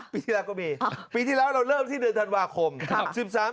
ปีแล้วก็มีปีที่แล้วเราเริ่มที่เดือนธันวาคม